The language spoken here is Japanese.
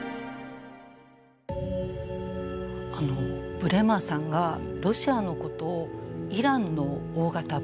ブレマーさんがロシアのことをイランの大型版